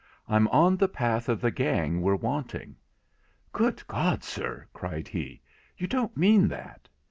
I'm on the path of the gang we're wanting.' 'Good God, sir!' cried he, 'you don't mean that!'